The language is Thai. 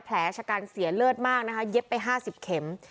แผลชะกันเสียเลือดมากนะคะเย็บไป๕๐เข็ม